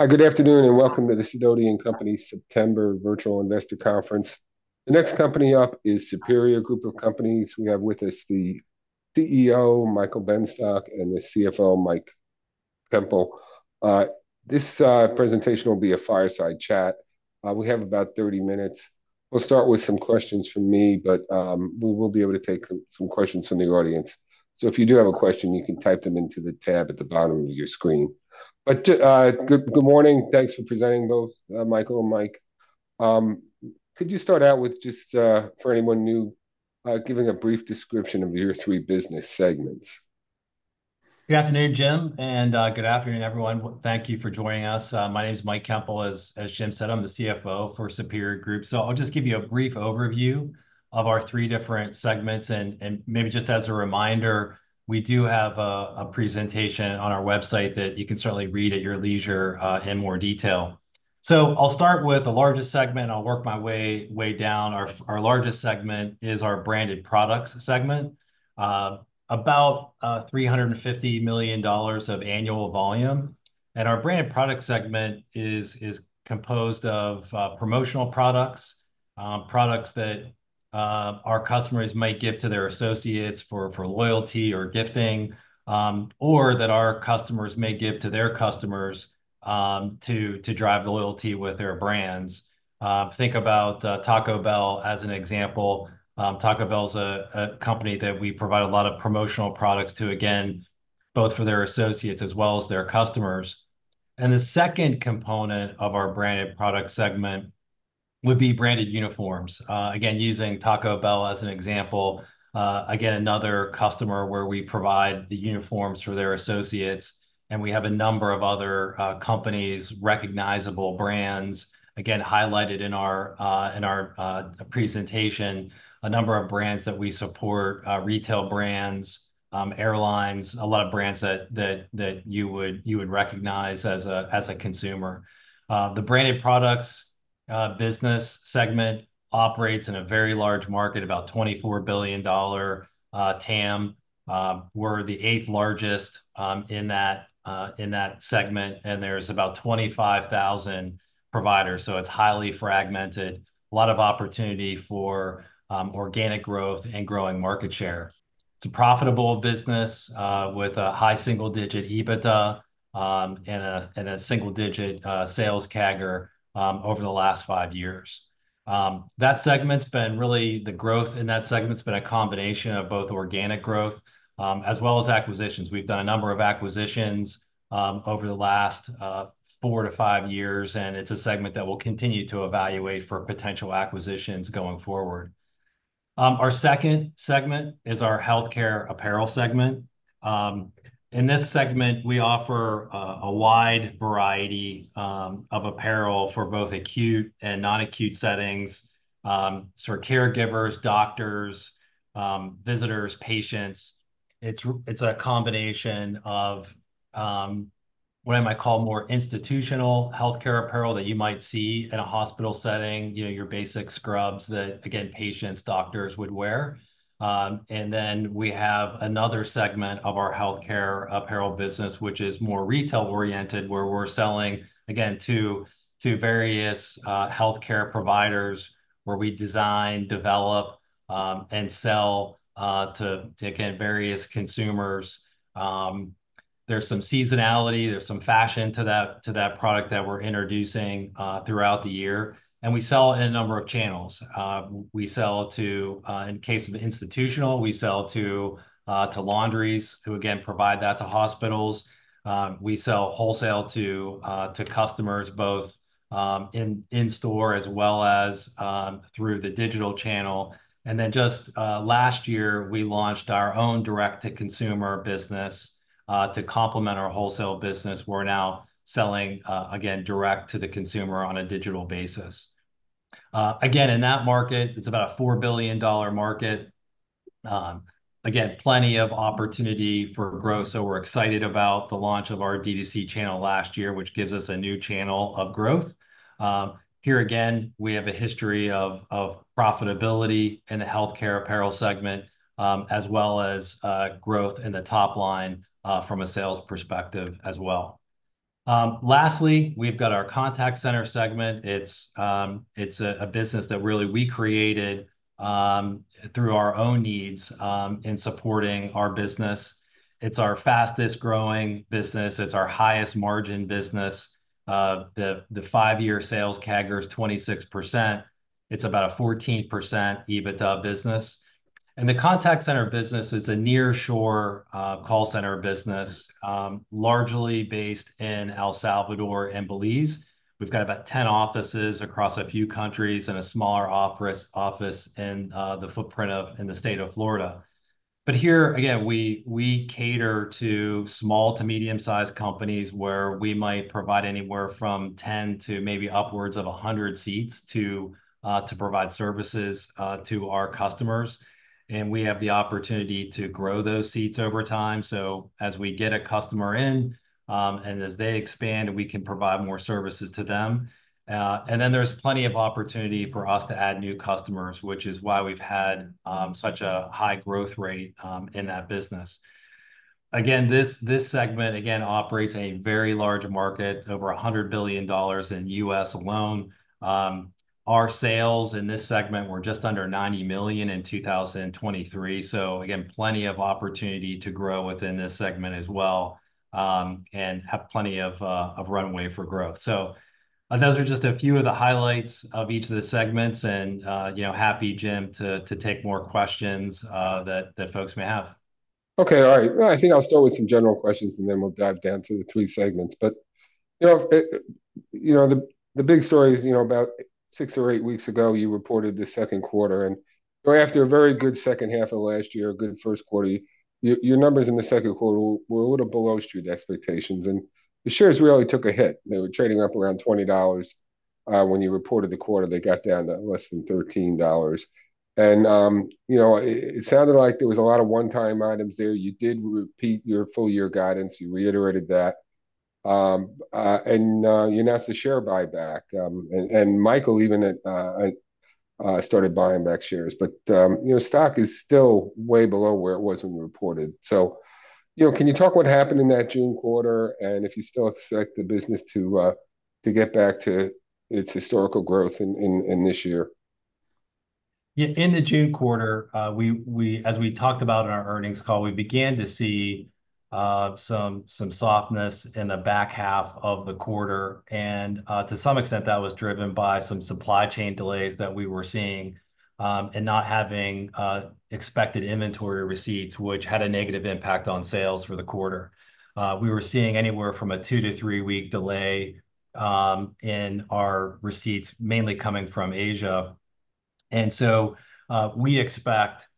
Hi, good afternoon, and welcome to the Sidoti & Company September Virtual Investor Conference. The next company up is Superior Group of Companies. We have with us the CEO, Michael Benstock, and the CFO, Mike Koempel. This presentation will be a fireside chat. We have about 30 minutes. We'll start with some questions from me, but we will be able to take some questions from the audience. So if you do have a question, you can type them into the tab at the bottom of your screen. But good morning. Thanks for presenting both, Michael and Mike. Could you start out with just for anyone new giving a brief description of your three business segments? Good afternoon, Jim, and good afternoon, everyone. Thank you for joining us. My name's Mike Koempel, as Jim said. I'm the CFO for Superior Group. So I'll just give you a brief overview of our three different segments, and maybe just as a reminder, we do have a presentation on our website that you can certainly read at your leisure, in more detail. So I'll start with the largest segment. I'll work my way down. Our largest segment is our branded products segment. About $350 million of annual volume, and our branded product segment is composed of promotional products, products that our customers might give to their associates for loyalty or gifting, or that our customers may give to their customers, to drive the loyalty with their brands. Think about Taco Bell as an example. Taco Bell's a company that we provide a lot of promotional products to, again, both for their associates as well as their customers, and the second component of our branded product segment would be branded uniforms. Again, using Taco Bell as an example, again, another customer where we provide the uniforms for their associates, and we have a number of other companies, recognizable brands, again, highlighted in our presentation, a number of brands that we support, retail brands, airlines, a lot of brands that you would recognize as a consumer. The branded products business segment operates in a very large market, about a $24 billion TAM. We're the eighth largest in that segment, and there's about 25,000 providers, so it's highly fragmented. A lot of opportunity for organic growth and growing market share. It's a profitable business with a high single-digit EBITDA, and a single-digit sales CAGR over the last five years. The growth in that segment's been a combination of both organic growth, as well as acquisitions. We've done a number of acquisitions, over the last, four to five years, and it's a segment that we'll continue to evaluate for potential acquisitions going forward. Our second segment is our healthcare apparel segment. In this segment, we offer a wide variety of apparel for both acute and non-acute settings, so caregivers, doctors, visitors, patients. It's a combination of what I might call more institutional healthcare apparel that you might see in a hospital setting, you know, your basic scrubs that, again, patients, doctors would wear. And then we have another segment of our healthcare apparel business, which is more retail-oriented, where we're selling again to various healthcare providers, where we design, develop, and sell to again various consumers. There's some seasonality. There's some fashion to that product that we're introducing throughout the year, and we sell in a number of channels. We sell to, in case of institutional, we sell to laundries, who again provide that to hospitals. We sell wholesale to customers, both in-store as well as through the digital channel, and then just last year, we launched our own direct-to-consumer business to complement our wholesale business. We're now selling again direct to the consumer on a digital basis. Again, in that market, it's about a $4 billion market. Again, plenty of opportunity for growth, so we're excited about the launch of our D2C channel last year, which gives us a new channel of growth. Here again, we have a history of profitability in the healthcare apparel segment, as well as growth in the top line from a sales perspective as well. Lastly, we've got our contact center segment. It's a business that really we created through our own needs in supporting our business. It's our fastest-growing business. It's our highest margin business. The 5-year sales CAGR is 26%. It's about a 14% EBITDA business. And the contact center business is a nearshore call center business, largely based in El Salvador and Belize. We've got about 10 offices across a few countries and a smaller office footprint in the state of Florida. But here, again, we cater to small to medium-sized companies, where we might provide anywhere from 10 to maybe upwards of 100 seats to provide services to our customers, and we have the opportunity to grow those seats over time, so as we get a customer in and as they expand, we can provide more services to them, and then there's plenty of opportunity for us to add new customers, which is why we've had such a high growth rate in that business. Again, this segment operates a very large market, over $100 billion in the U.S. alone. Our sales in this segment were just under $90 million in 2023, so again, plenty of opportunity to grow within this segment as well, and have plenty of runway for growth. So those are just a few of the highlights of each of the segments, and you know, happy, Jim, to take more questions that folks may have. Okay. All right. Well, I think I'll start with some general questions, and then we'll dive down to the three segments. But, you know, you know, the big story is, you know, about six or eight weeks ago, you reported the second quarter, and right after a very good second half of last year, a good first quarter, your numbers in the second quarter were a little below Street expectations, and the shares really took a hit. They were trading up around $20. When you reported the quarter, they got down to less than $13. And, you know, it sounded like there was a lot of one-time items there. You did repeat your full year guidance, you reiterated that. And, you announced a share buyback. Michael even started buying back shares, but you know, stock is still way below where it was when we reported. So you know, can you talk what happened in that June quarter, and if you still expect the business to get back to its historical growth in this year? Yeah, in the June quarter, as we talked about in our earnings call, we began to see some softness in the back half of the quarter. And, to some extent, that was driven by some supply chain delays that we were seeing, and not having expected inventory receipts, which had a negative impact on sales for the quarter. We were seeing anywhere from a two- to three-week delay in our receipts, mainly coming from Asia. And so, we expect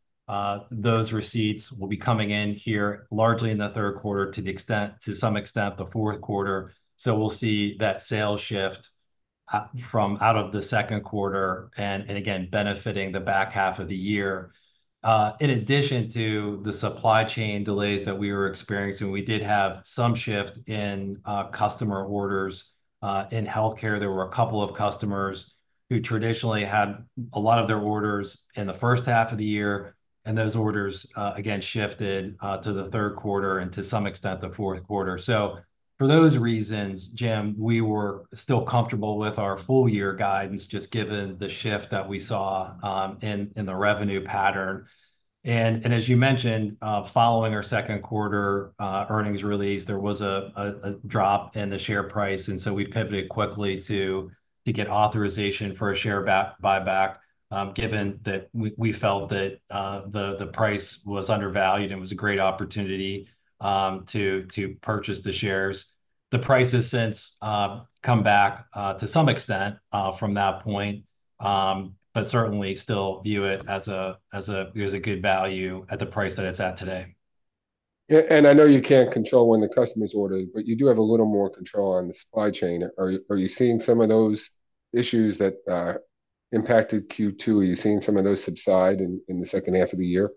those receipts will be coming in here largely in the third quarter, to some extent, the fourth quarter. So we'll see that sales shift from out of the second quarter and again, benefiting the back half of the year. In addition to the supply chain delays that we were experiencing, we did have some shift in customer orders. In healthcare, there were a couple of customers who traditionally had a lot of their orders in the first half of the year, and those orders, again, shifted to the third quarter and to some extent, the fourth quarter. For those reasons, Jim, we were still comfortable with our full year guidance, just given the shift that we saw in the revenue pattern. As you mentioned, following our second quarter earnings release, there was a drop in the share price, and so we pivoted quickly to get authorization for a share buyback, given that we felt that the price was undervalued and was a great opportunity to purchase the shares. The price has since come back to some extent from that point, but certainly still view it as a good value at the price that it's at today. Yeah, and I know you can't control when the customers order, but you do have a little more control on the supply chain. Are you seeing some of those issues that impacted Q2, are you seeing some of those subside in the second half of the year?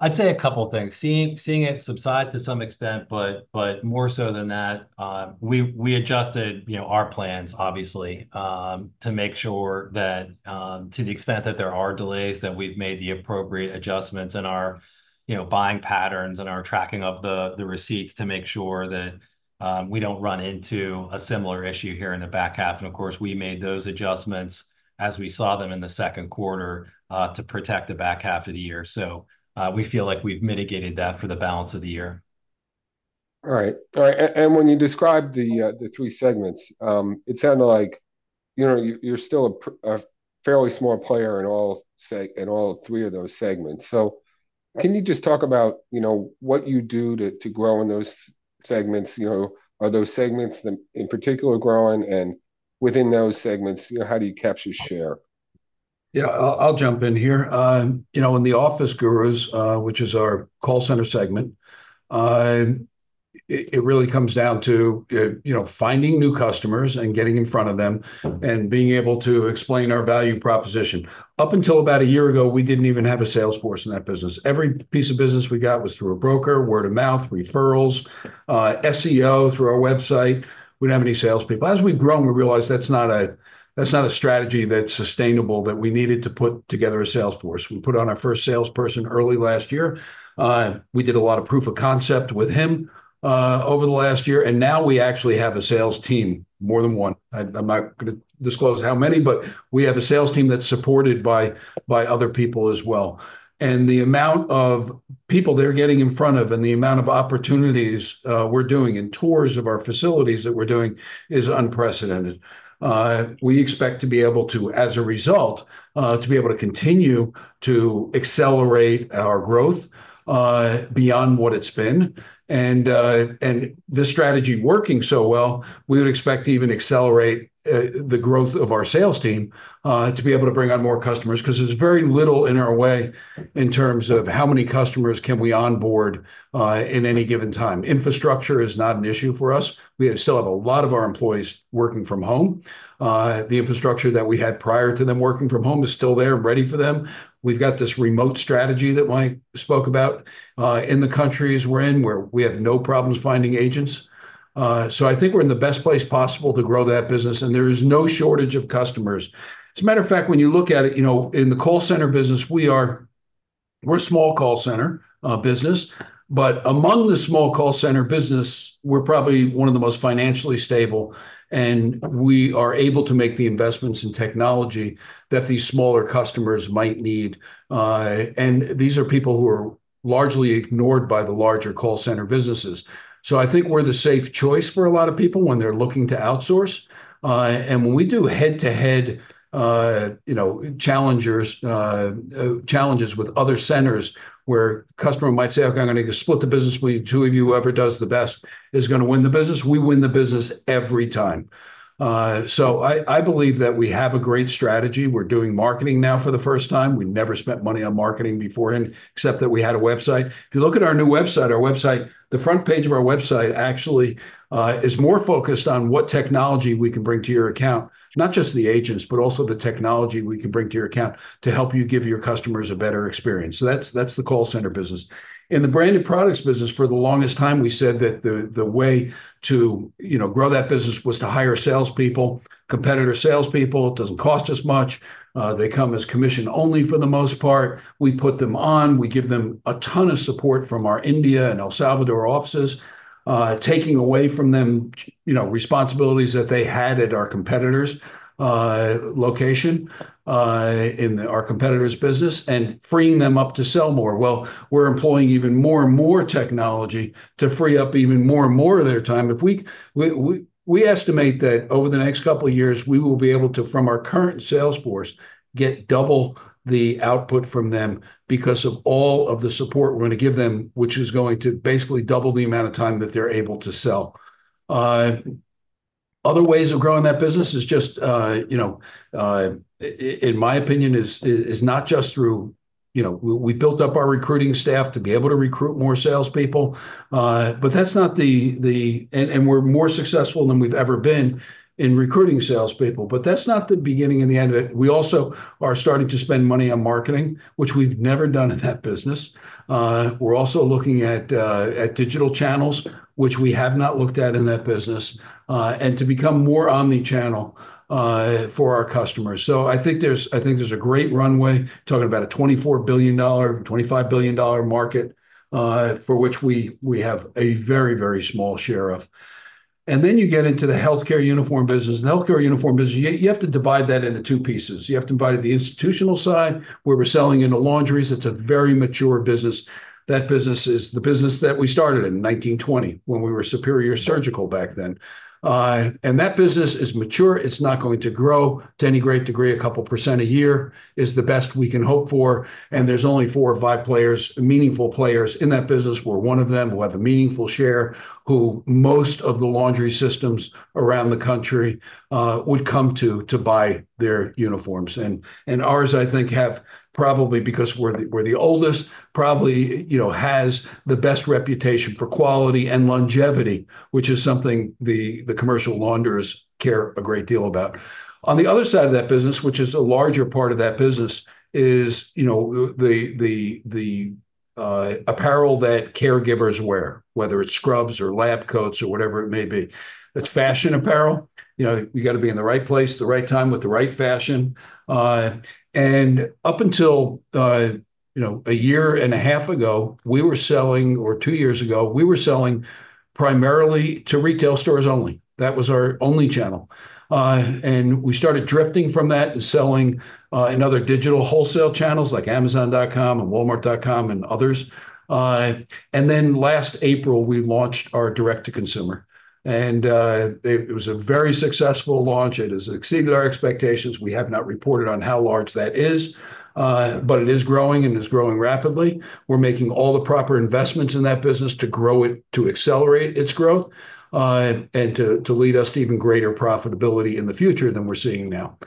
I'd say a couple of things. Seeing it subside to some extent, but more so than that, we adjusted, you know, our plans, obviously, to make sure that, to the extent that there are delays, that we've made the appropriate adjustments in our, you know, buying patterns and our tracking of the receipts to make sure that we don't run into a similar issue here in the back half. And of course, we made those adjustments as we saw them in the second quarter to protect the back half of the year. So, we feel like we've mitigated that for the balance of the year. All right. All right, and when you describe the three segments, it sounded like, you know, you're still a fairly small player in all three of those segments. So can you just talk about, you know, what you do to grow in those segments? You know, are those segments in particular growing? And within those segments, you know, how do you capture share? Yeah, I'll, I'll jump in here. You know, in The Office Gurus, which is our call center segment, it really comes down to you know, finding new customers and getting in front of them, and being able to explain our value proposition. Up until about a year ago, we didn't even have a sales force in that business. Every piece of business we got was through a broker, word of mouth, referrals, SEO, through our website. We didn't have any salespeople. As we've grown, we realized that's not a strategy that's sustainable, that we needed to put together a sales force. We put on our first salesperson early last year. We did a lot of proof of concept with him over the last year, and now we actually have a sales team, more than one. I'm not gonna disclose how many, but we have a sales team that's supported by other people as well. And the amount of people they're getting in front of, and the amount of opportunities we're doing, and tours of our facilities that we're doing, is unprecedented. We expect to be able to, as a result, to be able to continue to accelerate our growth beyond what it's been. And the strategy working so well, we would expect to even accelerate the growth of our sales team to be able to bring on more customers, 'cause there's very little in our way in terms of how many customers can we onboard in any given time. Infrastructure is not an issue for us. We still have a lot of our employees working from home. The infrastructure that we had prior to them working from home is still there and ready for them. We've got this remote strategy that Mike spoke about, in the countries we're in, where we have no problems finding agents, so I think we're in the best place possible to grow that business, and there is no shortage of customers. As a matter of fact, when you look at it, you know, in the call center business, we're a small call center business, but among the small call center business, we're probably one of the most financially stable, and we are able to make the investments in technology that these smaller customers might need, and these are people who are largely ignored by the larger call center businesses. So I think we're the safe choice for a lot of people when they're looking to outsource. And when we do head-to-head, you know, challenges with other centers, where customer might say, "Okay, I'm going to split the business between the two of you, whoever does the best is going to win the business," we win the business every time. So I believe that we have a great strategy. We're doing marketing now for the first time. We never spent money on marketing before, and except that we had a website. If you look at our new website, our website, the front page of our website actually is more focused on what technology we can bring to your account, not just the agents, but also the technology we can bring to your account to help you give your customers a better experience. So that's the call center business. In the branded products business, for the longest time, we said that the way to, you know, grow that business was to hire salespeople, competitor salespeople. It doesn't cost as much. They come as commission only for the most part. We put them on, we give them a ton of support from our India and El Salvador offices, taking away from them, you know, responsibilities that they had at our competitors', location, in our competitors' business, and freeing them up to sell more. Well, we're employing even more and more technology to free up even more and more of their time. If we estimate that over the next couple of years, we will be able to, from our current sales force, get double the output from them because of all of the support we're gonna give them, which is going to basically double the amount of time that they're able to sell. Other ways of growing that business is just, you know, in my opinion, is not just through. You know, we built up our recruiting staff to be able to recruit more salespeople, but that's not. We're more successful than we've ever been in recruiting salespeople, but that's not the beginning and the end of it. We also are starting to spend money on marketing, which we've never done in that business. We're also looking at digital channels, which we have not looked at in that business, and to become more omni-channel for our customers. So I think there's a great runway, talking about a $24 billion-$25 billion market, for which we have a very, very small share of. And then you get into the healthcare uniform business. The healthcare uniform business, you have to divide that into two pieces. You have to divide it, the institutional side, where we're selling into laundries. It's a very mature business. That business is the business that we started in 1920, when we were Superior Surgical back then. And that business is mature. It's not going to grow to any great degree. A couple percent a year is the best we can hope for, and there's only four or five players, meaningful players, in that business, we're one of them. We have a meaningful share, who most of the laundry systems around the country would come to, to buy their uniforms. And ours, I think, have probably, because we're the oldest, probably, you know, has the best reputation for quality and longevity, which is something the commercial launderers care a great deal about. On the other side of that business, which is a larger part of that business, is, you know, the apparel that caregivers wear, whether it's scrubs or lab coats or whatever it may be. It's fashion apparel. You know, you got to be in the right place at the right time with the right fashion. And up until, you know, a year and a half ago, we were selling, or two years ago, we were selling primarily to retail stores only. That was our only channel. And we started drifting from that and selling in other digital wholesale channels like Amazon.com and Walmart.com and others. And then last April, we launched our direct to consumer, and it was a very successful launch. It has exceeded our expectations. We have not reported on how large that is, but it is growing, and it's growing rapidly. We're making all the proper investments in that business to grow it, to accelerate its growth, and to lead us to even greater profitability in the future than we're seeing now.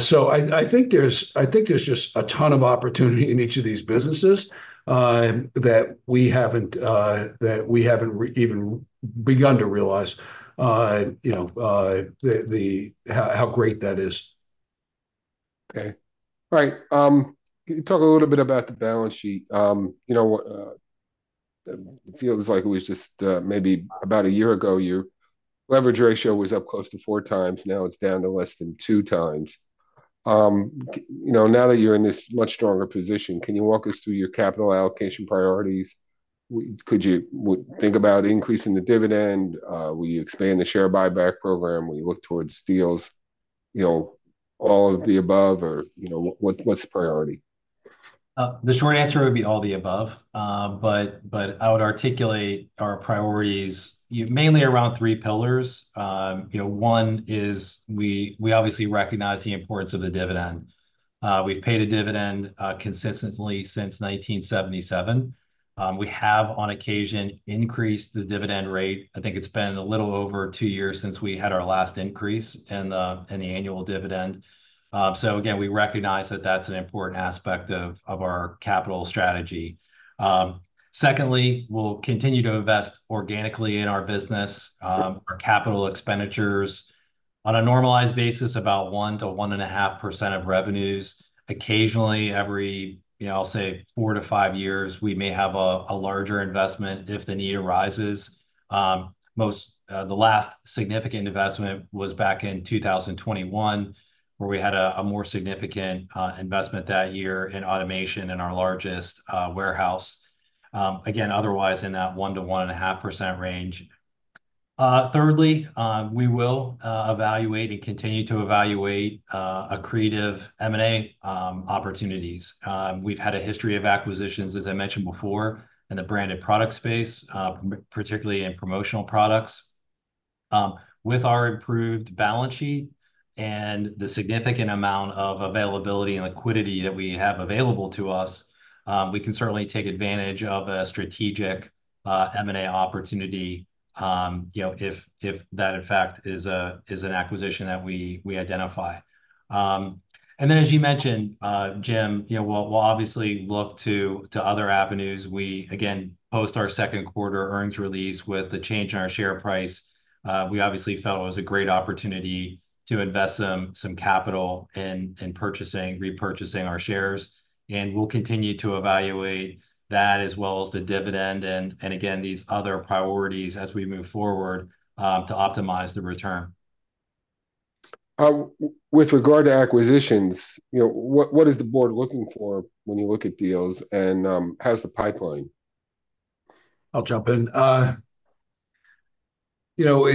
So, I think there's just a ton of opportunity in each of these businesses that we haven't even begun to realize, you know, how great that is. Okay. All right, can you talk a little bit about the balance sheet? You know, it feels like it was just maybe about a year ago, your leverage ratio was up close to four times, now it's down to less than two times. You know, now that you're in this much stronger position, can you walk us through your capital allocation priorities? Could you think about increasing the dividend, will you expand the share buyback program, will you look towards deals? You know, all of the above, or, you know, what's the priority? The short answer would be all the above. But I would articulate our priorities, mainly around three pillars. You know, one is, we obviously recognize the importance of the dividend. We've paid a dividend consistently since 1977. We have, on occasion, increased the dividend rate. I think it's been a little over two years since we had our last increase in the annual dividend. So again, we recognize that that's an important aspect of our capital strategy. Secondly, we'll continue to invest organically in our business, our capital expenditures on a normalized basis, about 1%-1.5% of revenues. Occasionally, every, you know, I'll say four to five years, we may have a larger investment if the need arises. Most, the last significant investment was back in 2021, where we had a more significant investment that year in automation in our largest warehouse. Again, otherwise, in that 1%-1.5% range. Thirdly, we will evaluate and continue to evaluate accretive M&A opportunities. We've had a history of acquisitions, as I mentioned before, in the branded products space, particularly in promotional products. With our improved balance sheet and the significant amount of availability and liquidity that we have available to us, we can certainly take advantage of a strategic M&A opportunity, you know, if that, in fact, is an acquisition that we identify. And then, as you mentioned, Jim, you know, we'll obviously look to other avenues. We again post our second quarter earnings release with the change in our share price. We obviously felt it was a great opportunity to invest some capital in purchasing, repurchasing our shares, and we'll continue to evaluate that, as well as the dividend, and again, these other priorities as we move forward to optimize the return. With regard to acquisitions, you know, what is the board looking for when you look at deals, and how's the pipeline? I'll jump in. You know,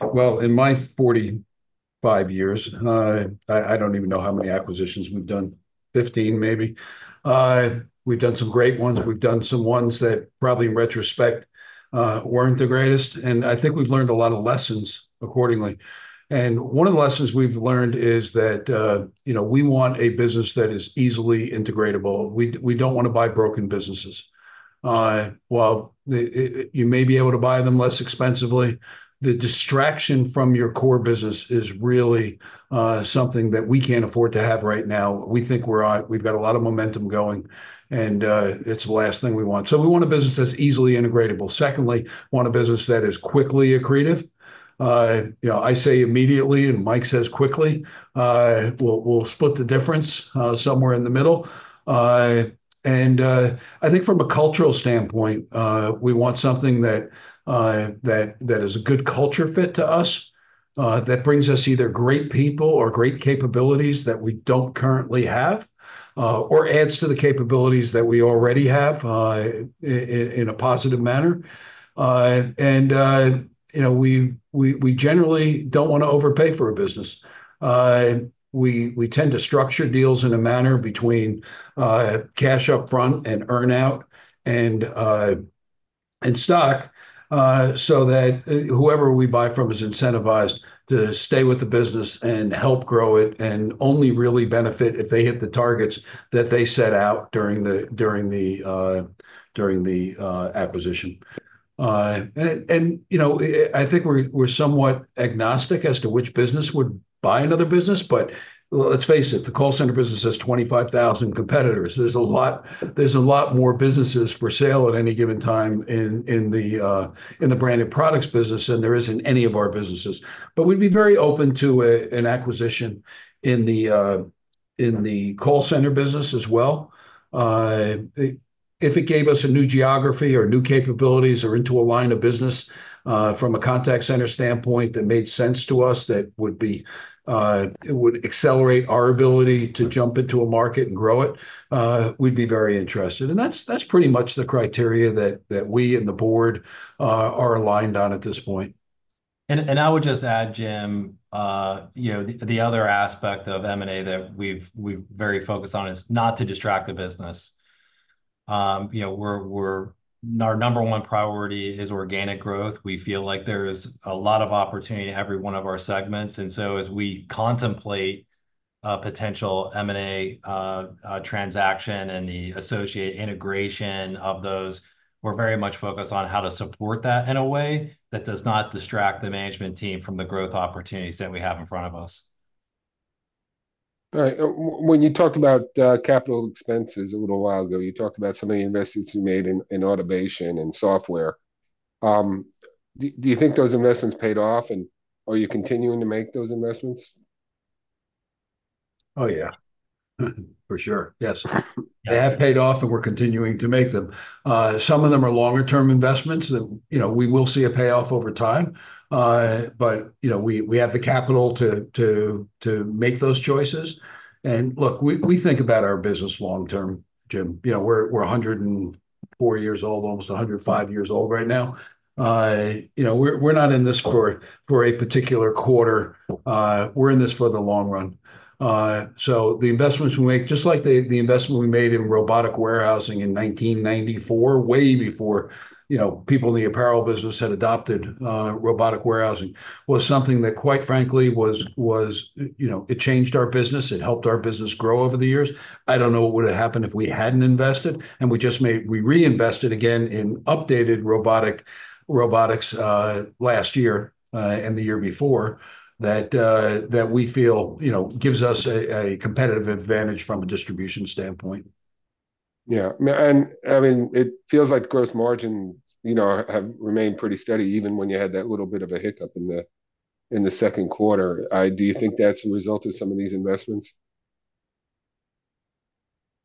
well, in my 45 years, I don't even know how many acquisitions we've done, 15 maybe. We've done some great ones. We've done some ones that probably, in retrospect, weren't the greatest, and I think we've learned a lot of lessons accordingly, and one of the lessons we've learned is that, you know, we want a business that is easily integratable. We don't wanna buy broken businesses. While you may be able to buy them less expensively, the distraction from your core business is really something that we can't afford to have right now. We think we've got a lot of momentum going, and it's the last thing we want, so we want a business that's easily integratable. Secondly, we want a business that is quickly accretive. You know, I say immediately, and Mike says quickly. We'll split the difference somewhere in the middle. I think from a cultural standpoint, we want something that is a good culture fit to us, that brings us either great people or great capabilities that we don't currently have, or adds to the capabilities that we already have, in a positive manner. You know, we generally don't wanna overpay for a business. We tend to structure deals in a manner between cash upfront and earn-out, and stock, so that whoever we buy from is incentivized to stay with the business and help grow it, and only really benefit if they hit the targets that they set out during the acquisition. You know, I think we're somewhat agnostic as to which business would buy another business, but let's face it, the call center business has 25,000 competitors. There's a lot more businesses for sale at any given time in the branded products business than there is in any of our businesses. But we'd be very open to an acquisition in the call center business as well. If it gave us a new geography or new capabilities or into a line of business, from a contact center standpoint, that made sense to us, that would be... it would accelerate our ability to jump into a market and grow it, we'd be very interested, and that's pretty much the criteria that we and the board are aligned on at this point. I would just add, Jim, you know, the other aspect of M&A that we've very focused on is not to distract the business. You know, our number one priority is organic growth. We feel like there's a lot of opportunity in every one of our segments, and so as we contemplate a potential M&A transaction and the associate integration of those, we're very much focused on how to support that in a way that does not distract the management team from the growth opportunities that we have in front of us. All right. When you talked about capital expenditures a little while ago, you talked about some of the investments you made in automation and software. Do you think those investments paid off, and are you continuing to make those investments? Oh, yeah. For sure, yes. They have paid off, and we're continuing to make them. Some of them are longer-term investments that, you know, we will see a payoff over time. But, you know, we have the capital to make those choices. And look, we think about our business long term, Jim. You know, we're 104 years old, almost 105 years old right now. You know, we're not in this for a particular quarter. We're in this for the long run. So the investments we make, just like the investment we made in robotic warehousing in 1994, way before, you know, people in the apparel business had adopted robotic warehousing, was something that, quite frankly, you know, it changed our business. It helped our business grow over the years. I don't know what would've happened if we hadn't invested, and we just reinvested again in updated robotics last year and the year before, that we feel, you know, gives us a competitive advantage from a distribution standpoint. Yeah, and I mean, it feels like the gross margins, you know, have remained pretty steady, even when you had that little bit of a hiccup in the second quarter. Do you think that's a result of some of these investments?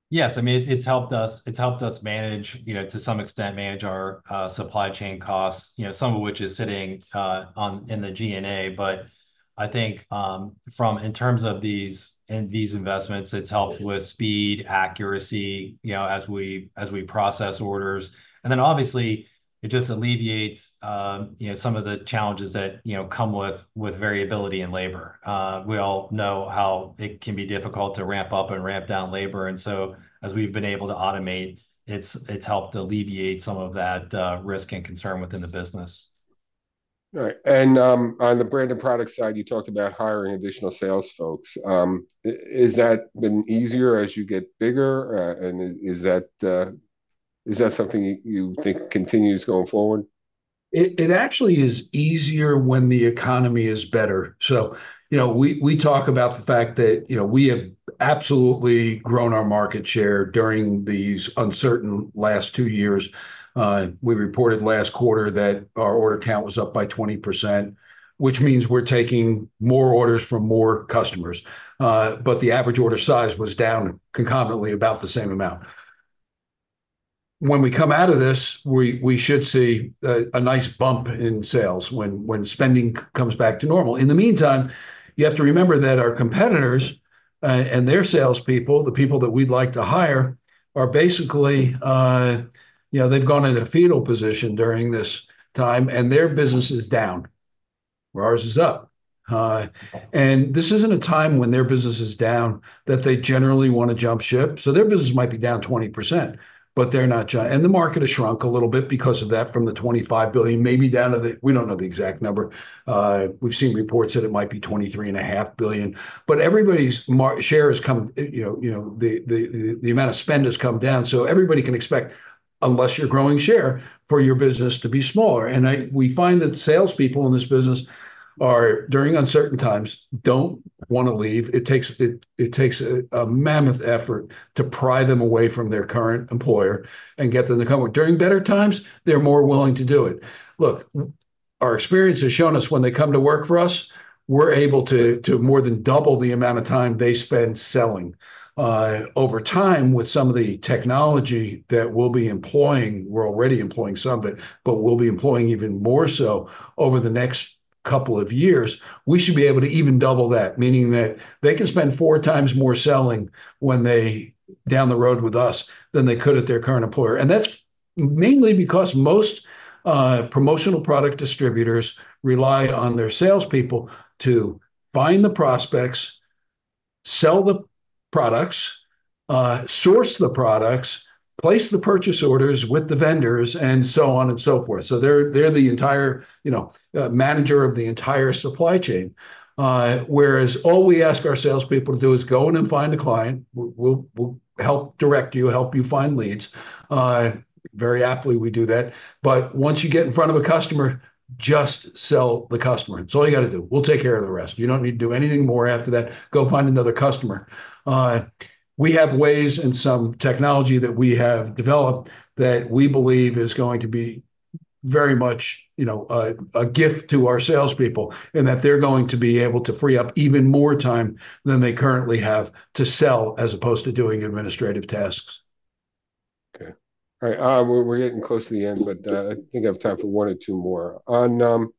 Yes, I mean, it's helped us manage, you know, to some extent, our supply chain costs, you know, some of which is sitting in the G&A. But I think, in terms of these and these investments, it's helped with speed, accuracy, you know, as we process orders. And then obviously, it just alleviates, you know, some of the challenges that come with variability in labor. We all know how it can be difficult to ramp up and ramp down labor, and so as we've been able to automate, it's helped alleviate some of that risk and concern within the business. All right. And on the brand and product side, you talked about hiring additional sales folks. Has that been easier as you get bigger? And is that something you think continues going forward? It actually is easier when the economy is better, so you know, we talk about the fact that, you know, we have absolutely grown our market share during these uncertain last two years. We reported last quarter that our order count was up by 20%, which means we're taking more orders from more customers, but the average order size was down concomitantly about the same amount. When we come out of this, we should see a nice bump in sales when spending comes back to normal. In the meantime, you have to remember that our competitors and their salespeople, the people that we'd like to hire, are basically... You know, they've gone in a fetal position during this time, and their business is down, where ours is up. This isn't a time when their business is down, that they generally want to jump ship. So their business might be down 20%, but they're not, and the market has shrunk a little bit because of that, from the $25 billion, maybe down to the. We don't know the exact number. We've seen reports that it might be $23.5 billion. But everybody's market share has come, you know, the amount of spend has come down, so everybody can expect, unless you're growing share, for your business to be smaller. We find that salespeople in this business are, during uncertain times, don't wanna leave. It takes a mammoth effort to pry them away from their current employer and get them to come. During better times, they're more willing to do it. Look, our experience has shown us when they come to work for us, we're able to to more than double the amount of time they spend selling. Over time, with some of the technology that we'll be employing, we're already employing some, but we'll be employing even more so over the next couple of years, we should be able to even double that, meaning that they can spend four times more selling when they down the road with us, than they could at their current employer. And that's mainly because most promotional product distributors rely on their salespeople to find the prospects, sell the products, source the products, place the purchase orders with the vendors, and so on and so forth. So they're the entire, you know, manager of the entire supply chain. Whereas all we ask our salespeople to do is go in and find a client. We'll help direct you, help you find leads. Very aptly, we do that. But once you get in front of a customer, just sell the customer. It's all you gotta do. We'll take care of the rest. You don't need to do anything more after that. Go find another customer. We have ways and some technology that we have developed that we believe is going to be very much, you know, a gift to our salespeople, and that they're going to be able to free up even more time than they currently have to sell, as opposed to doing administrative tasks. Okay. All right, we're getting close to the end, but I think I have time for one or two more. On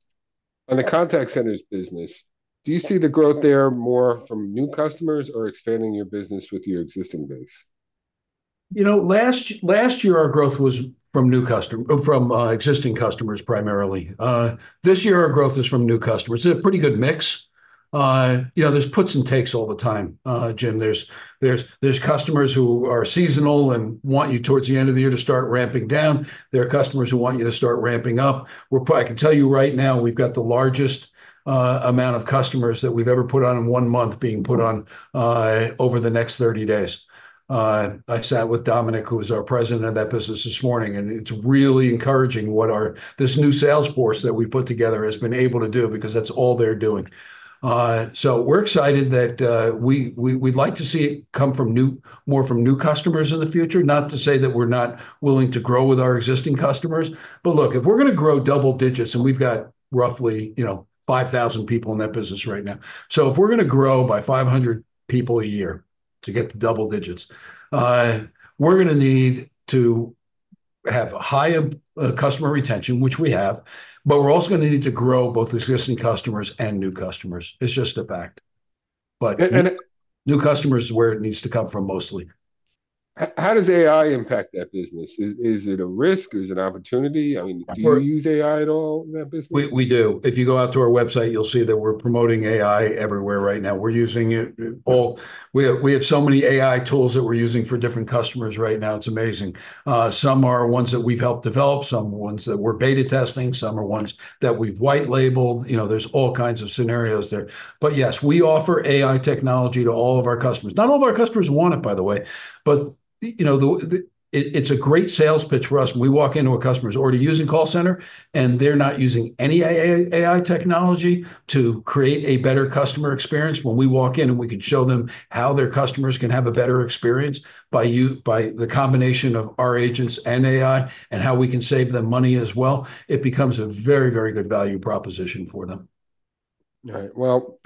the contact centers business, do you see the growth there more from new customers or expanding your business with your existing base? You know, last year, our growth was from existing customers, primarily. This year, our growth is from new customers. It's a pretty good mix. You know, there's puts and takes all the time, Jim. There are customers who are seasonal and want you, towards the end of the year, to start ramping down. There are customers who want you to start ramping up. I can tell you right now, we've got the largest amount of customers that we've ever put on in one month, being put on over the next 30 days. I sat with Dominic, who is our president of that business, this morning, and it's really encouraging what this new sales force that we've put together has been able to do, because that's all they're doing. So we're excited that we'd like to see it come from more new customers in the future, not to say that we're not willing to grow with our existing customers. But look, if we're gonna grow double digits, and we've got roughly, you know, 5,000 people in that business right now. So if we're gonna grow by 500 people a year to get to double digits, we're gonna need to have a high customer retention, which we have, but we're also gonna need to grow both existing customers and new customers. It's just a fact. And, and- But new customers is where it needs to come from mostly. How does AI impact that business? Is it a risk? Is it an opportunity? I mean- Sure Do you use AI at all in that business? We do. If you go out to our website, you'll see that we're promoting AI everywhere right now. We're using it all. We have so many AI tools that we're using for different customers right now, it's amazing. Some are ones that we've helped develop, some are ones that we're beta testing, some are ones that we've white labeled. You know, there's all kinds of scenarios there. But yes, we offer AI technology to all of our customers. Not all of our customers want it, by the way, but you know, it's a great sales pitch for us when we walk into a customer who's already using call center, and they're not using any AI technology to create a better customer experience. When we walk in and we can show them how their customers can have a better experience by the combination of our agents and AI, and how we can save them money as well, it becomes a very, very good value proposition for them. All right. Well,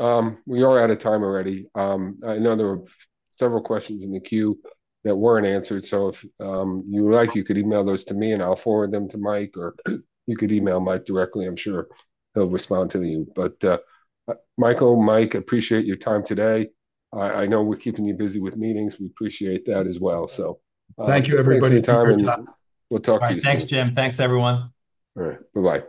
we are out of time already. I know there are several questions in the queue that weren't answered, so if you like, you could email those to me, and I'll forward them to Mike, or you could email Mike directly. I'm sure he'll respond to you. But, Michael, Mike, appreciate your time today. I know we're keeping you busy with meetings, we appreciate that as well. So, Thank you, everybody. Thanks for your time, and, we'll talk to you soon. All right. Thanks, Jim. Thanks, everyone. All right. Bye-bye.